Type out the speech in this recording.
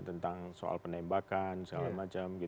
tentang soal penembakan segala macam